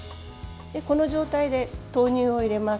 この状態で豆乳を入れます。